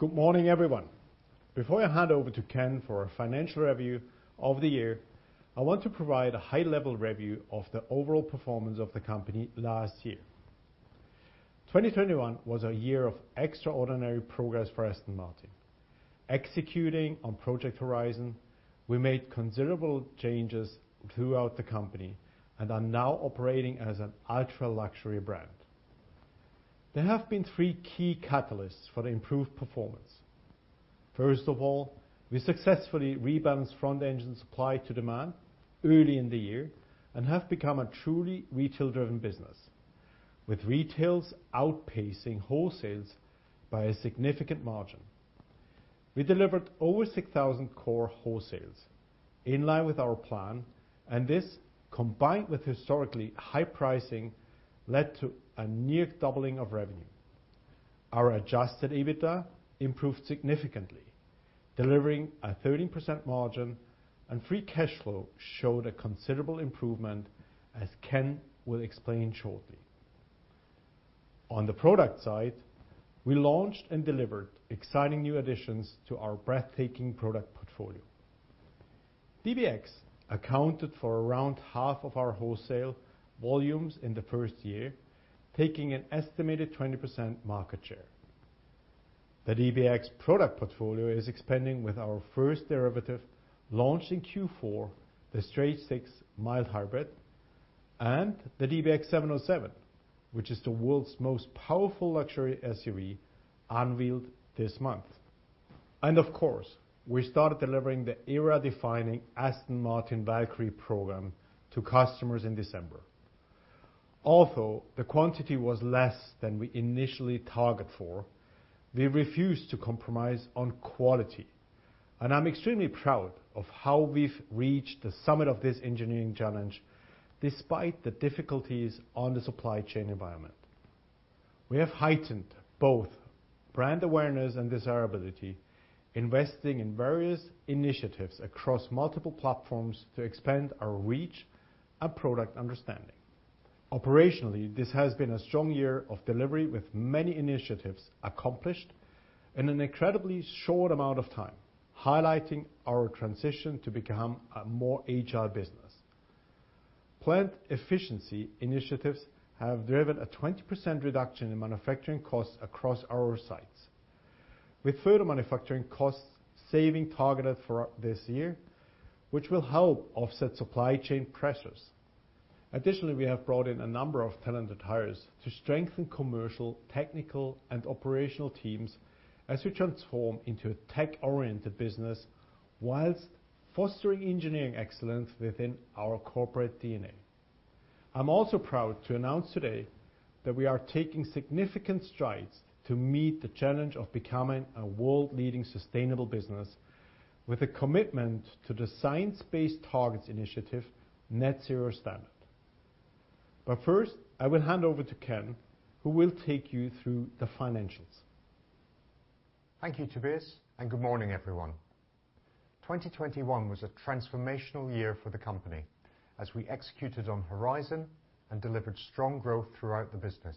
Good morning, everyone. Before I hand over to Ken for a financial review of the year, I want to provide a high-level review of the overall performance of the company last year. 2021 was a year of extraordinary progress for Aston Martin. Executing on Project Horizon, we made considerable changes throughout the company and are now operating as an ultra-luxury brand. There have been three key catalysts for the improved performance. First of all, we successfully rebalanced front-end supply to demand early in the year and have become a truly retail-driven business, with retails outpacing wholesales by a significant margin. We delivered over 6,000 core wholesales in line with our plan, and this, combined with historically high pricing, led to a near doubling of revenue. Our adjusted EBITDA improved significantly, delivering a 13% margin, and free cash flow showed a considerable improvement, as Ken will explain shortly. On the product side, we launched and delivered exciting new additions to our breathtaking product portfolio. DBX accounted for around half of our wholesale volumes in the first year, taking an estimated 20% market share. The DBX product portfolio is expanding with our first derivative launched in Q4, the straight-six mild hybrid, and the DBX707, which is the world's most powerful luxury SUV, unveiled this month. Of course, we started delivering the era-defining Aston Martin Valkyrie program to customers in December. Although the quantity was less than we initially target for, we refused to compromise on quality, and I'm extremely proud of how we've reached the summit of this engineering challenge despite the difficulties on the supply chain environment. We have heightened both brand awareness and desirability, investing in various initiatives across multiple platforms to expand our reach and product understanding. Operationally, this has been a strong year of delivery with many initiatives accomplished in an incredibly short amount of time, highlighting our transition to become a more agile business. Plant efficiency initiatives have driven a 20% reduction in manufacturing costs across our sites. With further manufacturing cost savings targeted for this year, which will help offset supply chain pressures. Additionally, we have brought in a number of talented hires to strengthen commercial, technical, and operational teams as we transform into a tech-oriented business whilst fostering engineering excellence within our corporate DNA. I'm also proud to announce today that we are taking significant strides to meet the challenge of becoming a world-leading sustainable business with a commitment to the Science Based Targets initiative net zero standard. First, I will hand over to Ken, who will take you through the financials. Thank you, Tobias, and good morning, everyone. 2021 was a transformational year for the company as we executed on Horizon and delivered strong growth throughout the business.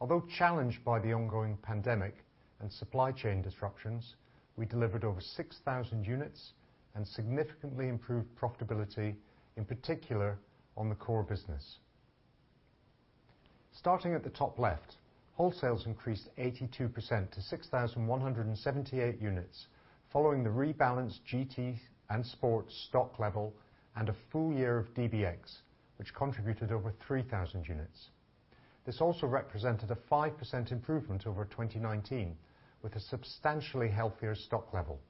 Although challenged by the ongoing pandemic and supply chain disruptions, we delivered over 6,000 units and significantly improved profitability, in particular on the core business. Starting at the top left, wholesales increased 82% to 6,178 units, following the rebalance GT and sports stock level and a full year of DBX, which contributed over 3,000 units. This also represented a 5% improvement over 2019, with a substantially healthier stock level.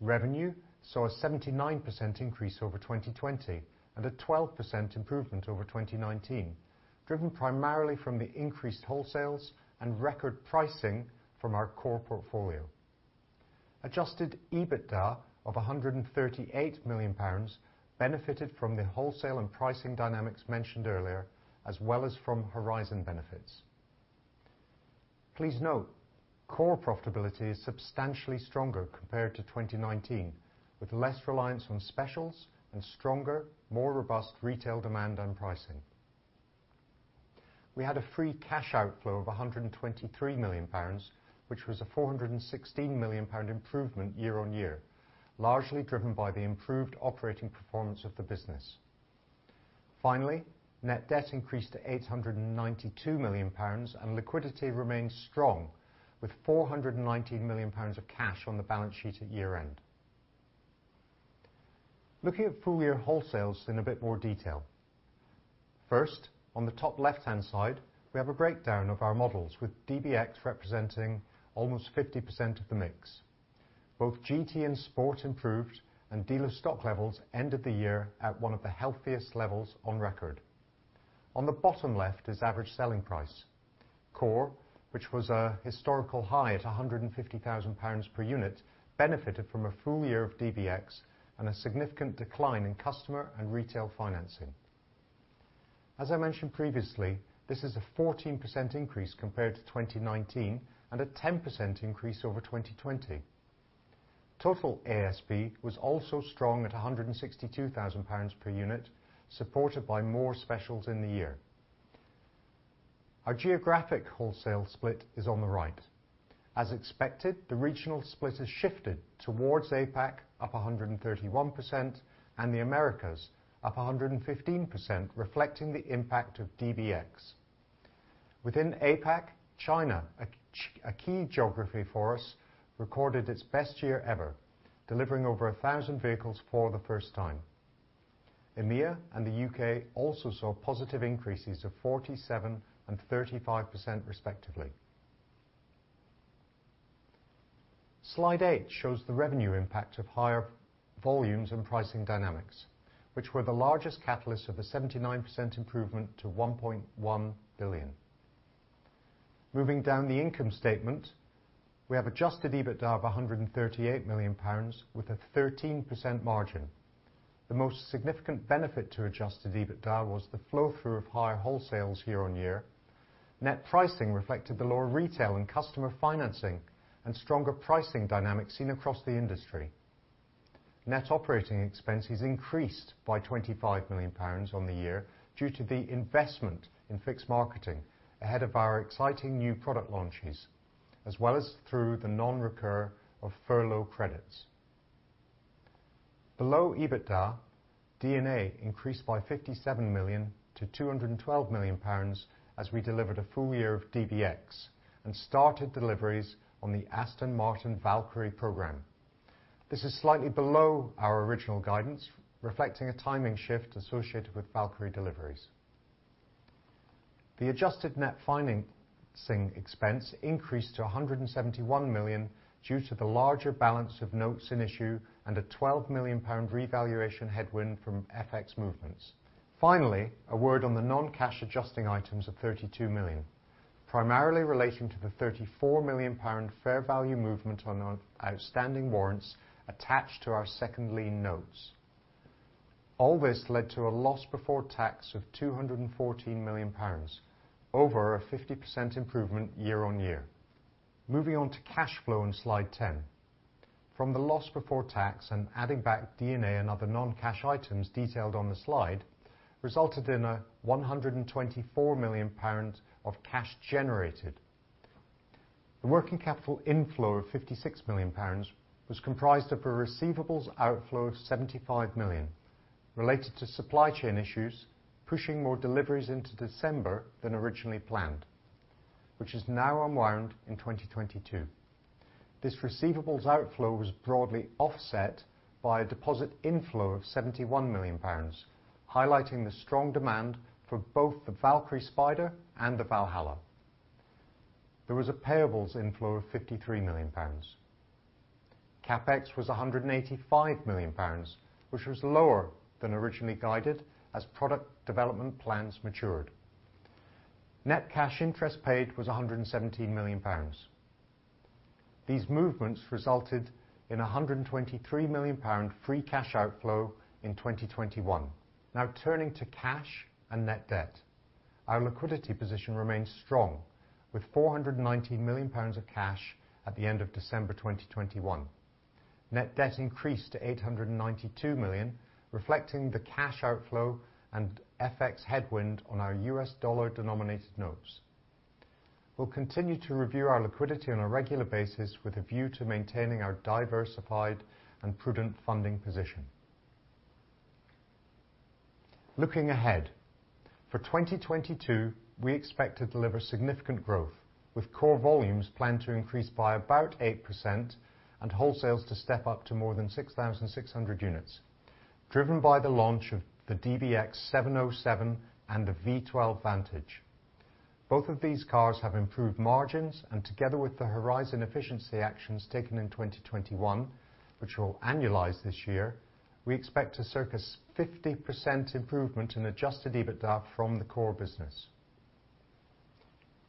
Revenue saw a 79% increase over 2020 and a 12% improvement over 2019, driven primarily from the increased wholesales and record pricing from our core portfolio. Adjusted EBITDA of 138 million pounds benefited from the wholesale and pricing dynamics mentioned earlier, as well as from Horizon benefits. Please note, core profitability is substantially stronger compared to 2019, with less reliance on specials and stronger, more robust retail demand and pricing. We had a free cash outflow of 123 million pounds, which was a 416 million pound improvement year-on-year, largely driven by the improved operating performance of the business. Finally, net debt increased to 892 million pounds, and liquidity remains strong with 419 million pounds of cash on the balance sheet at year-end. Looking at full-year wholesales in a bit more detail. First, on the top left-hand side, we have a breakdown of our models, with DBX representing almost 50% of the mix. Both GT and Sport improved, and dealer stock levels ended the year at one of the healthiest levels on record. On the bottom left is average selling price. Core, which was a historical high at 150,000 pounds per unit, benefited from a full year of DBX and a significant decline in customer and retail financing. As I mentioned previously, this is a 14% increase compared to 2019 and a 10% increase over 2020. Total ASP was also strong at 162,000 pounds per unit, supported by more specials in the year. Our geographic wholesale split is on the right. As expected, the regional split has shifted towards APAC, up 131%, and the Americas, up 115%, reflecting the impact of DBX. Within APAC, China, a key geography for us, recorded its best year ever, delivering over 1,000 vehicles for the first time. EMEA and the U.K. also saw positive increases of 47% and 35% respectively. Slide 8 shows the revenue impact of higher volumes and pricing dynamics, which were the largest catalyst of the 79% improvement to 1.1 billion. Moving down the income statement, we have adjusted EBITDA of 138 million pounds with a 13% margin. The most significant benefit to adjusted EBITDA was the flow-through of higher wholesales year-on-year. Net pricing reflected the lower retail and customer financing and stronger pricing dynamics seen across the industry. Net operating expenses increased by 25 million pounds on the year due to the investment in fixed marketing ahead of our exciting new product launches, as well as through the non-recurrence of furlough credits. Below EBITDA, D&A increased by 57 million to 212 million pounds as we delivered a full year of DBX and started deliveries on the Aston Martin Valkyrie program. This is slightly below our original guidance, reflecting a timing shift associated with Valkyrie deliveries. The adjusted net financing expense increased to 171 million due to the larger balance of notes in issue and a 12 million pound revaluation headwind from FX movements. Finally, a word on the non-cash adjusting items of 32 million, primarily relating to the 34 million pound fair value movement on our outstanding warrants attached to our second lien notes. All this led to a loss before tax of 214 million pounds, over a 50% improvement year-on-year. Moving on to cash flow on slide 10. From the loss before tax and adding back D&A and other non-cash items detailed on the slide resulted in 124 million pound of cash generated. The working capital inflow of 56 million pounds was comprised of a receivables outflow of 75 million related to supply chain issues, pushing more deliveries into December than originally planned, which is now unwound in 2022. This receivables outflow was broadly offset by a deposit inflow of 71 million pounds, highlighting the strong demand for both the Valkyrie Spider and the Valhalla. There was a payables inflow of 53 million pounds. CapEx was 185 million pounds, which was lower than originally guided as product development plans matured. Net cash interest paid was 117 million pounds. These movements resulted in a 123 million pound free cash outflow in 2021. Now turning to cash and net debt. Our liquidity position remains strong with 419 million pounds of cash at the end of December 2021. Net debt increased to 892 million, reflecting the cash outflow and FX headwind on our USD-denominated notes. We'll continue to review our liquidity on a regular basis with a view to maintaining our diversified and prudent funding position. Looking ahead, for 2022, we expect to deliver significant growth with core volumes planned to increase by about 8% and wholesales to step up to more than 6,600 units, driven by the launch of the DBX707 and the V12 Vantage. Both of these cars have improved margins, and together with the Horizon efficiency actions taken in 2021, which will annualize this year, we expect to see circa 50% improvement in adjusted EBITDA from the core business.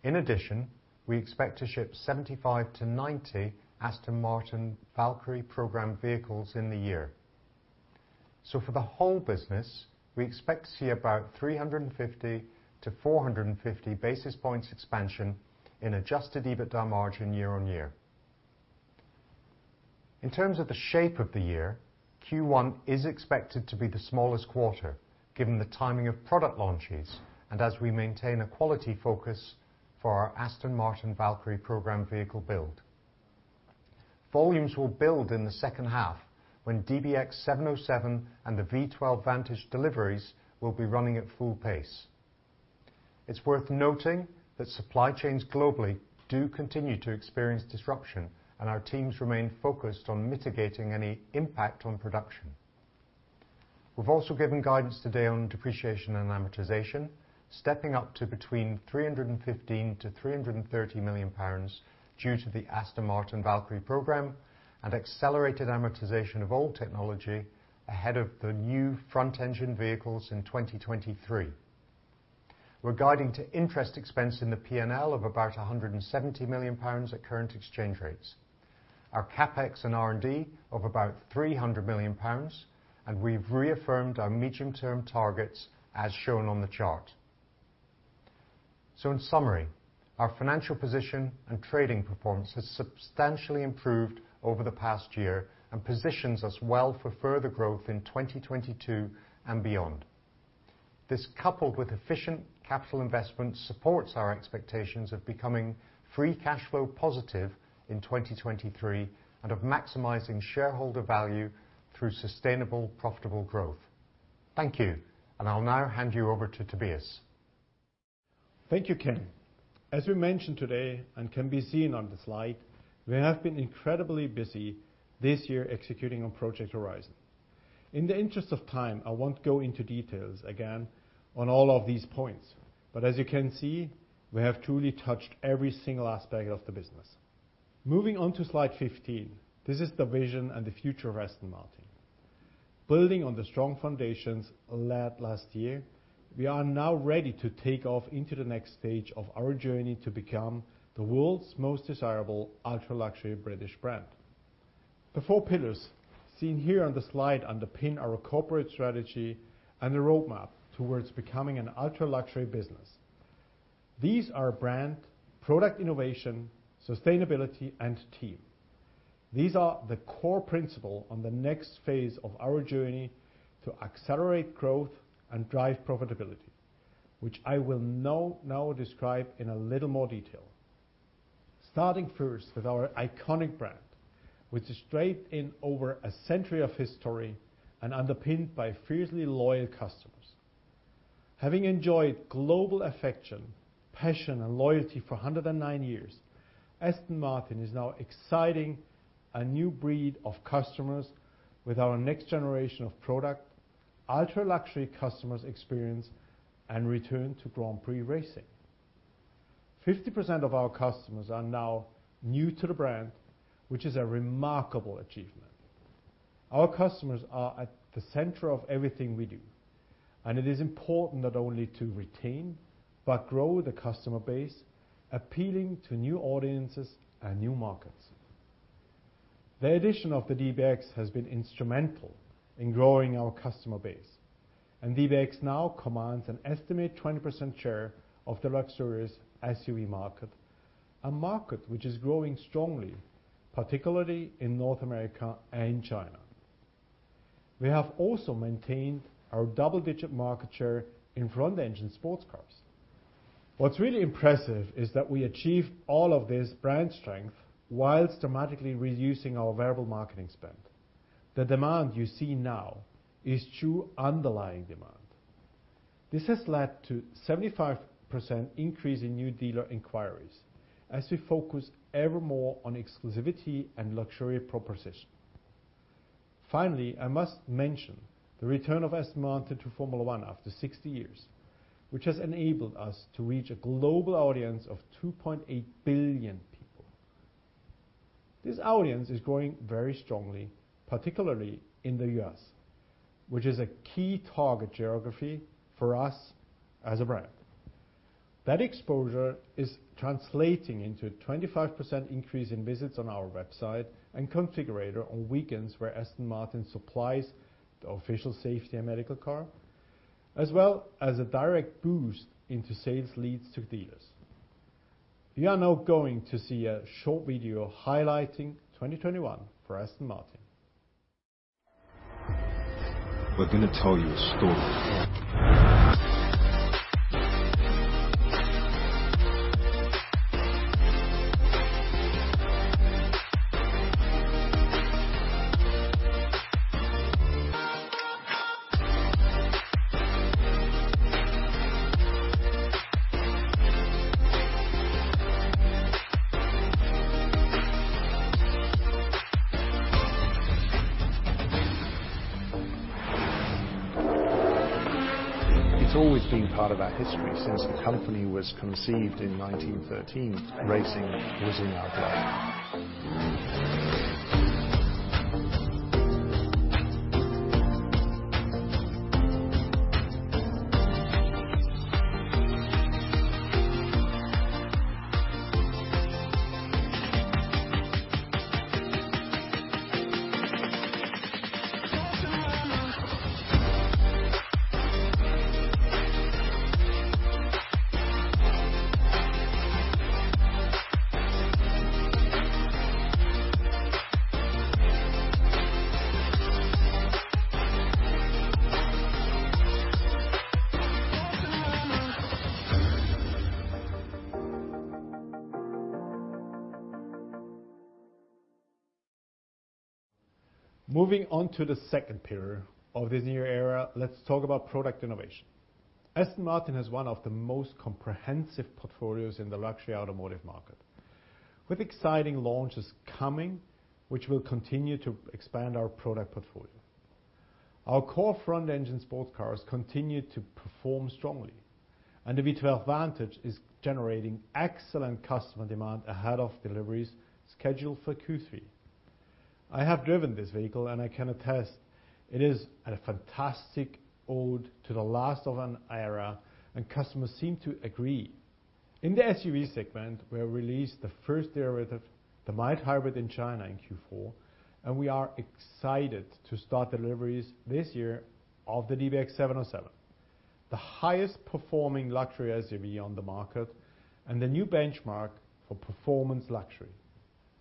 In addition, we expect to ship 75-90 Aston Martin Valkyrie program vehicles in the year. For the whole business, we expect to see about 350-450 basis points expansion in adjusted EBITDA margin year-on-year. In terms of the shape of the year, Q1 is expected to be the smallest quarter, given the timing of product launches and as we maintain a quality focus for our Aston Martin Valkyrie program vehicle build. Volumes will build in the second half when DBX707 and the V12 Vantage deliveries will be running at full pace. It's worth noting that supply chains globally do continue to experience disruption and our teams remain focused on mitigating any impact on production. We've also given guidance today on depreciation and amortization, stepping up to between 315 million-330 million pounds due to the Aston Martin Valkyrie program and accelerated amortization of old technology ahead of the new front-engine vehicles in 2023. We're guiding to interest expense in the P&L of about 170 million pounds at current exchange rates, our CapEx and R&D of about 300 million pounds, and we've reaffirmed our medium-term targets as shown on the chart. In summary, our financial position and trading performance has substantially improved over the past year and positions us well for further growth in 2022 and beyond. This, coupled with efficient capital investment, supports our expectations of becoming free cash flow positive in 2023 and of maximizing shareholder value through sustainable, profitable growth. Thank you, and I'll now hand you over to Tobias. Thank you, Ken. As we mentioned today, and can be seen on the slide, we have been incredibly busy this year executing on Project Horizon. In the interest of time, I won't go into details again on all of these points, but as you can see, we have truly touched every single aspect of the business. Moving on to slide 15, this is the vision and the future of Aston Martin. Building on the strong foundations laid last year, we are now ready to take off into the next stage of our journey to become the world's most desirable ultra-luxury British brand. The four pillars seen here on the slide underpin our corporate strategy and the roadmap towards becoming an ultra-luxury business. These are brand, product innovation, sustainability, and team. These are the core principles on the next phase of our journey to accelerate growth and drive profitability, which I will now describe in a little more detail. Starting first with our iconic brand, which is draped in over a century of history and underpinned by fiercely loyal customers. Having enjoyed global affection, passion, and loyalty for 109 years, Aston Martin is now exciting a new breed of customers with our next generation of product, ultra-luxury customer experience, and return to Grand Prix racing. 50% of our customers are now new to the brand, which is a remarkable achievement. Our customers are at the center of everything we do, and it is important not only to retain, but grow the customer base, appealing to new audiences and new markets. The addition of the DBX has been instrumental in growing our customer base, and DBX now commands an estimated 20% share of the luxurious SUV market, a market which is growing strongly, particularly in North America and China. We have also maintained our double-digit market share in front-engine sports cars. What's really impressive is that we achieve all of this brand strength while dramatically reducing our variable marketing spend. The demand you see now is true underlying demand. This has led to 75% increase in new dealer inquiries as we focus evermore on exclusivity and luxury proposition. Finally, I must mention the return of Aston Martin to Formula One after 60 years, which has enabled us to reach a global audience of 2.8 billion people. This audience is growing very strongly, particularly in the U.S., which is a key target geography for us as a brand. That exposure is translating into a 25% increase in visits on our website and configurator on weekends where Aston Martin supplies the official safety and medical car, as well as a direct boost into sales leads to dealers. You are now going to see a short video highlighting 2021 for Aston Martin. We're gonna tell you a story. It's always been part of our history since the company was conceived in 1913. Racing was in our blood. Moving on to the second pillar of this new era, let's talk about product innovation. Aston Martin has one of the most comprehensive portfolios in the luxury automotive market, with exciting launches coming which will continue to expand our product portfolio. Our core front-engine sports cars continue to perform strongly, and the V12 Vantage is generating excellent customer demand ahead of deliveries scheduled for Q3. I have driven this vehicle and I can attest it is a fantastic ode to the last of an era, and customers seem to agree. In the SUV segment, we released the first derivative, the mild hybrid in China in Q4, and we are excited to start deliveries this year of the DBX707. The highest performing luxury SUV on the market and the new benchmark for performance luxury.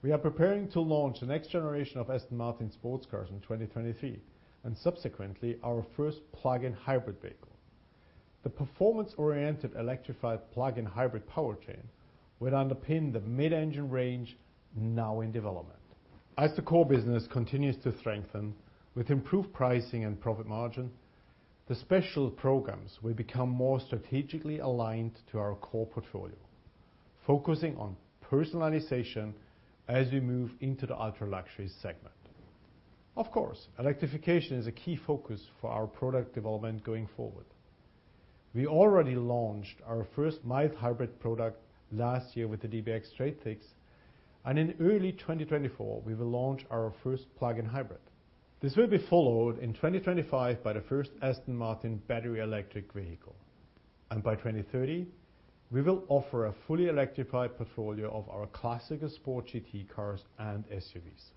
We are preparing to launch the next generation of Aston Martin sports cars in 2023 and subsequently our first plug-in hybrid vehicle. The performance-oriented electrified plug-in hybrid powertrain will underpin the mid-engine range now in development. As the core business continues to strengthen with improved pricing and profit margin, the special programs will become more strategically aligned to our core portfolio, focusing on personalization as we move into the ultra-luxury segment. Of course, electrification is a key focus for our product development going forward. We already launched our first mild hybrid product last year with the DBX Straight-Six, and in early 2024, we will launch our first plug-in hybrid. This will be followed in 2025 by the first Aston Martin battery electric vehicle. By 2030, we will offer a fully electrified portfolio of our classic sports GT cars and SUVs.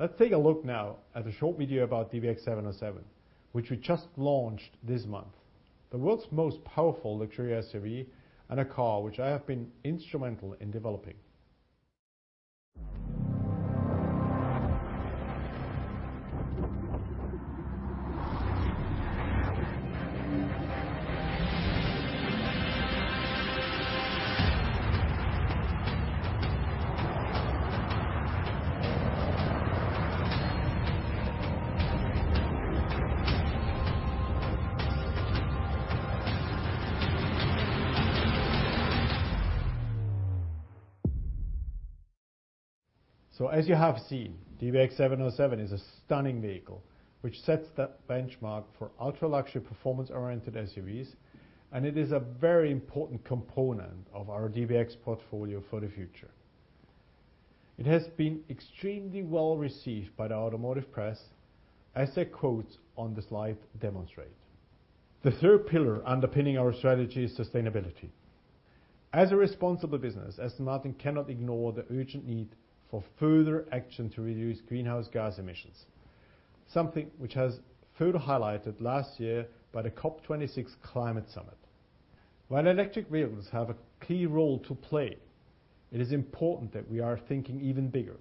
Let's take a look now at a short video about DBX707, which we just launched this month, the world's most powerful luxury SUV and a car which I have been instrumental in developing. As you have seen, DBX707 is a stunning vehicle which sets the benchmark for ultra-luxury performance-oriented SUVs, and it is a very important component of our DBX portfolio for the future. It has been extremely well received by the automotive press, as the quotes on the slide demonstrate. The third pillar underpinning our strategy is sustainability. As a responsible business, Aston Martin cannot ignore the urgent need for further action to reduce greenhouse gas emissions, something which was further highlighted last year by the COP26 climate summit. While electric vehicles have a key role to play, it is important that we are thinking even bigger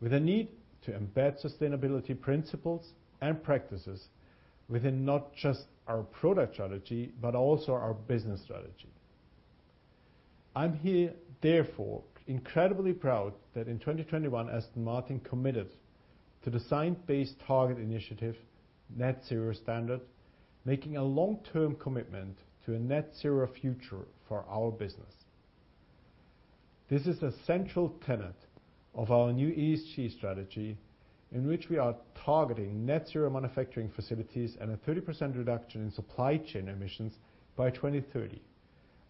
with a need to embed sustainability principles and practices within not just our product strategy, but also our business strategy. I'm here therefore incredibly proud that in 2021, Aston Martin committed to the Science Based Targets initiative net zero standard, making a long-term commitment to a net zero future for our business. This is a central tenet of our new ESG strategy in which we are targeting net zero manufacturing facilities and a 30% reduction in supply chain emissions by 2030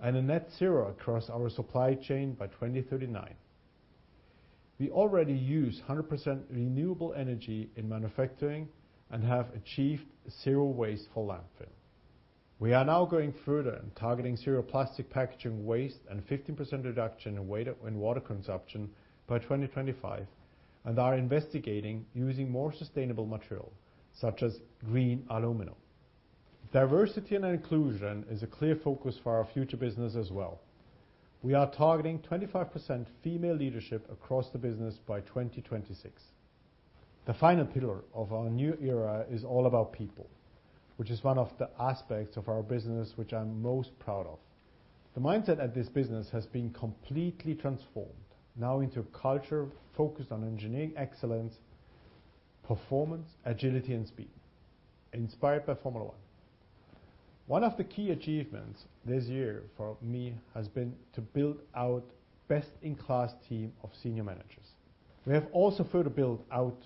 and a net zero across our supply chain by 2039. We already use 100% renewable energy in manufacturing and have achieved zero waste for landfill. We are now going further and targeting zero plastic packaging waste and 15% reduction in water consumption by 2025 and are investigating using more sustainable material such as green aluminum. Diversity and inclusion is a clear focus for our future business as well. We are targeting 25% female leadership across the business by 2026. The final pillar of our new era is all about people, which is one of the aspects of our business which I'm most proud of. The mindset at this business has been completely transformed now into a culture focused on engineering excellence, performance, agility, and speed inspired by Formula One. One of the key achievements this year for me has been to build out best-in-class team of senior managers. We have also further built out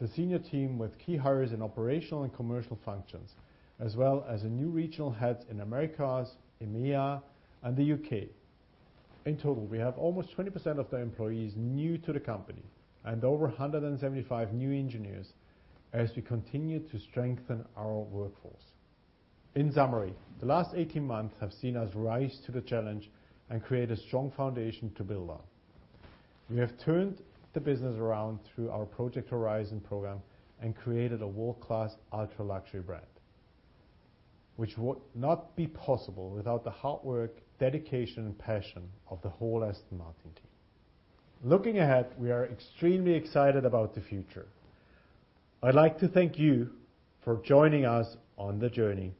the senior team with key hires in operational and commercial functions, as well as the new regional heads in Americas, EMEA, and the U.K. In total, we have almost 20% of the employees new to the company and over 175 new engineers as we continue to strengthen our workforce. In summary, the last 18 months have seen us rise to the challenge and create a strong foundation to build on. We have turned the business around through our Project Horizon program and created a world-class ultra-luxury brand, which would not be possible without the hard work, dedication, and passion of the whole Aston Martin team. Looking ahead, we are extremely excited about the future. I'd like to thank you for joining us on the journey.